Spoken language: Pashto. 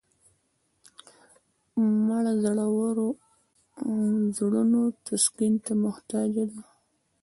مړه د زړونو تسکین ته محتاجه ده